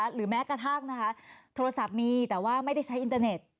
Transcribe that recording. หรือแม้กระทั่งนะคะโทรศัพท์มีแต่ว่าไม่ได้ใช้อินเตอร์เน็ต